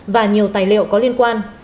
và nhiều tài liệu có liên quan